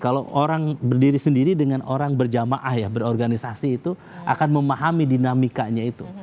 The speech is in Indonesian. kalau orang berdiri sendiri dengan orang berjamaah ya berorganisasi itu akan memahami dinamikanya itu